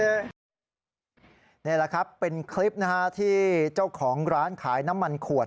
นี่แหละครับเป็นคลิปที่เจ้าของร้านขายน้ำมันขวด